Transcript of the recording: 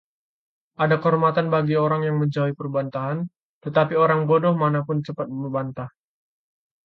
Ada kehormatan bagi orang yang menjauhi perbantahan, tetapi orang bodoh mana pun cepat berbantah.